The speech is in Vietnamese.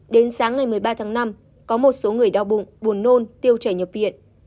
đến sáng ngày một mươi ba tháng năm có một số người đau bụng buồn nôn tiêu chảy nhập viện